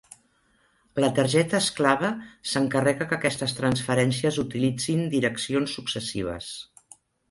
La targeta esclava s'encarrega que aquestes transferències utilitzin direccions successives.